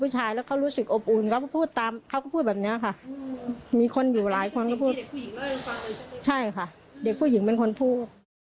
ใช่ค่ะเด็กผู้หญิงเป็นคนพูด